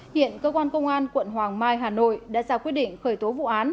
hiện cơ quan công an quận hoàng mai hà nội đã ra quyết định khởi tố vụ án